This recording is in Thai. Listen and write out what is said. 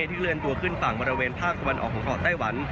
เคลื่อนตัวขึ้นฝั่งบริเวณภาคตะวันออกของเกาะไต้หวัน